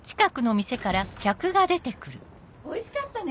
おいしかったね！